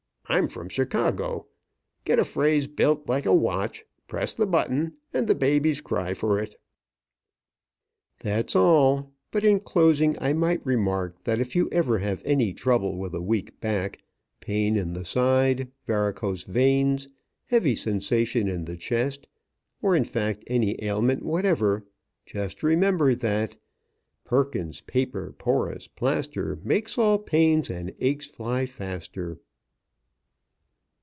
I'm from Chicago. Get a phrase built like a watch, press the button, and the babies cry for it." That's all. But in closing I might remark that if you ever have any trouble with a weak back, pain in the side, varicose veins, heavy sensation in the chest, or, in fact, any ailment whatever, just remember that Perkins's Paper Porous Plaster Make all pains and aches fly faster.